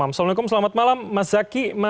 assalamu'alaikum selamat malam mas zaky mas umam